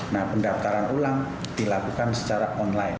nah pendaftaran ulang dilakukan secara online